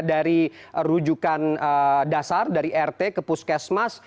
dari rujukan dasar dari rt ke puskesmas